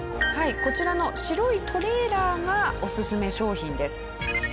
こちらの白いトレーラーがオススメ商品です。